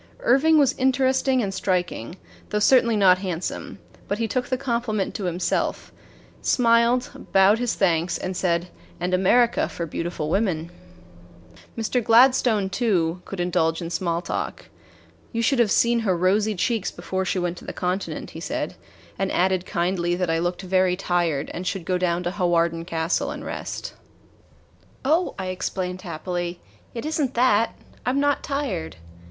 Irving was interesting and striking, though certainly not handsome; but he took the compliment to himself, smiled, bowed his thanks, and said: "And America for beautiful women." Mr. Gladstone, too, could indulge in small talk. "You should have seen her rosy cheeks before she went to the Continent," he said, and added kindly that I looked very tired and should go down to Hawarden Castle and rest. "Oh," I explained happily, "it is n't that I 'm not tired.